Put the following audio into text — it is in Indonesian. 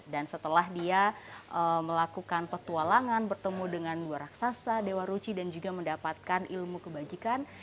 dan setelah dia melakukan petualangan bertemu dengan dua raksasa dewa ruci dan juga mendapatkan ilmu kebajikan